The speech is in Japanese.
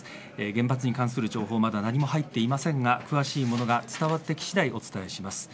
原発に関する情報はまだ何も入っていませんが詳しいものが伝わってき次第お伝えします。